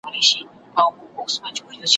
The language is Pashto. زما توجه ور واړوله ,